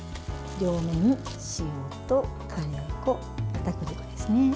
両面に塩とカレー粉かたくり粉ですね。